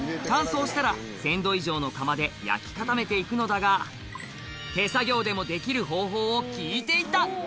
乾燥したら１０００度以上の窯で焼き固めていくのだが、手作業でもできる方法を聞いていた。